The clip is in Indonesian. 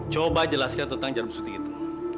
coba jelaskan tentang jarum sutik itu